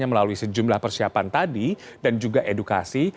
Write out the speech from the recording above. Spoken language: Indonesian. melalui sejumlah persiapan tadi dan juga edukasi